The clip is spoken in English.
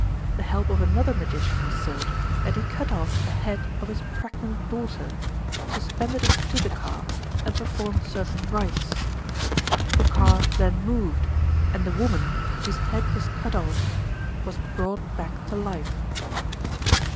The help of another magician was sought, and he cut off the head of his pregnant daughter, suspended it to the car, and performed certain rites. The car then moved, and the woman, whose head was cut off, was brought back to life.